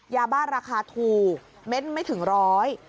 ยาบ้าราคาถูกเม็ดไม่ถึงร้อย